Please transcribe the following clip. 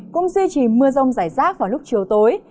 cũng duy trì mưa rông rải rác vào lúc chiều tối